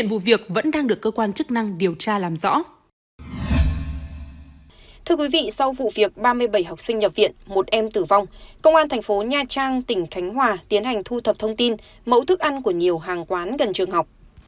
thưa quý vị sau vụ việc ba mươi bảy học sinh nhập viện một em tử vong công an thành phố nha trang tỉnh khánh hòa tiến hành thu thập thông tin mẫu thức ăn của nhiều hàng quán gần trường học